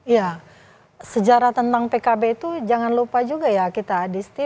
ya sejarah tentang pkb itu jangan lupa juga ya kita adisti